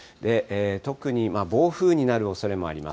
特に暴風になるおそれもあります。